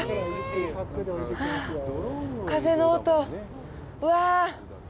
風の音、うわあ。